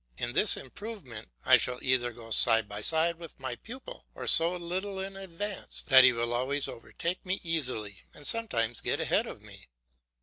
In this improvement I shall either go side by side with my pupil, or so little in advance that he will always overtake me easily and sometimes get ahead of me.